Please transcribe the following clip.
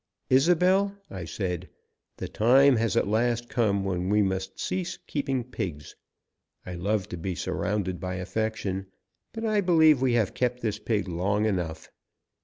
"Isobel," I said, "the time has at last come when we must cease keeping pigs. I love to be surrounded by affection, but I believe we have kept this pig long enough.